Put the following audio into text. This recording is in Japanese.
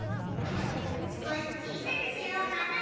すこしちいさくしようかな。